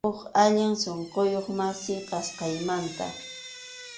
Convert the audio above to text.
Huk allin sunquyuq masi, kasqaymanta.